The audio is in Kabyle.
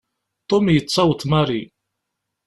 Tom yettaweḍ Mary.